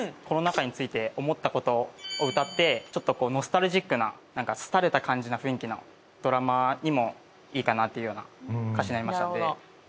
コロナ禍について思ったことを歌ってちょっとノスタルジックな廃れた感じの雰囲気のドラマにもいいかなっていうような歌詞になりましたので。